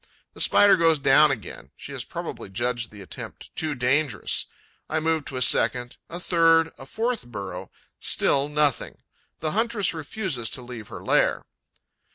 The Spider goes down again: she has probably judged the attempt too dangerous. I move to a second, a third, a fourth burrow: still nothing; the huntress refuses to leave her lair.